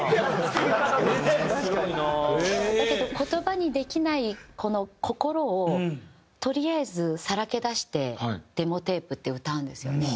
だけど言葉にできないこの心をとりあえずさらけ出してデモテープって歌うんですよね。